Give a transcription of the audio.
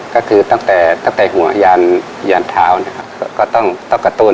ก็คือตั้งแต่ตั้งแต่หัวยานเท้านะครับก็ต้องกระตุ้น